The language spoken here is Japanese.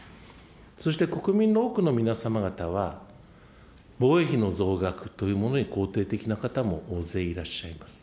そして国民の多くの皆様方は、防衛費の増額というものに肯定的な方も大勢いらっしゃいます。